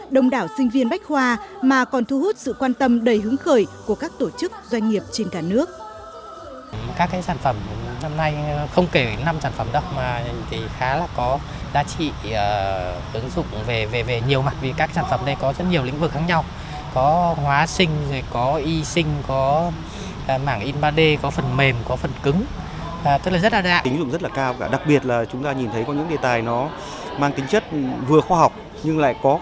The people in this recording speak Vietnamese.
đồng đảo sinh viên bách khoa mà còn thu hút sự quan tâm đầy hướng khởi của các tổ chức doanh nghiệp trên cả nước